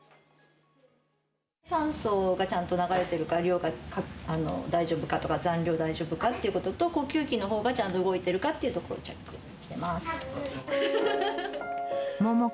酸素がちゃんと流れているか、量が大丈夫かとか、残量大丈夫かということと、呼吸器のほうがちゃんと動いているかというところをチェックしています。